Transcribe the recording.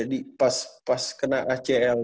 jadi pas kena acl